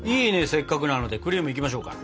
せっかくなのでクリームいきましょうか。